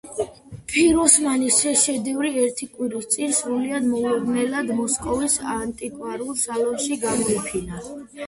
ფიროსმანის ეს შედევრი ერთი კვირის წინ, სრულიად მოულოდნელად, მოსკოვის ანტიკვარულ სალონში გამოიფინა.